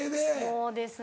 そうですね。